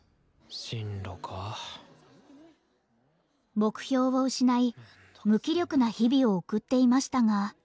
進路か目標を失い無気力な日々を送っていましたが。